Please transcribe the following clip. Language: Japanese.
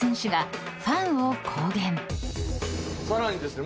さらにですね